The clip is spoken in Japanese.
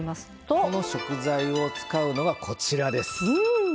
この食材を使うのがこちらです。